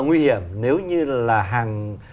nguy hiểm nếu như là hàng